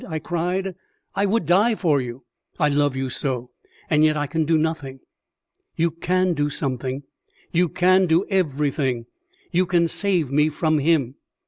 I cried. "I would die for you, I love you so. And yet I can do nothing." "You can do something; you can do everything. You can save me from him."